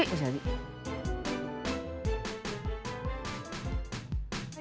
udah dimatiin ya